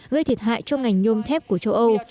gây thiệt hại cho ngành nhôm thép của châu âu